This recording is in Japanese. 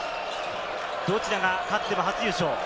どちらが勝っても初優勝。